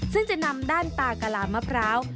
ซึ่งจะนำด้านตากะลามะพร้าว